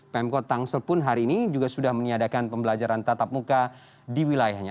pemkot tangsel pun hari ini juga sudah meniadakan pembelajaran tatap muka di wilayahnya